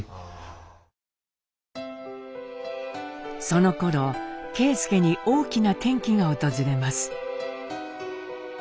そのころ啓介に大きな転機が訪れます。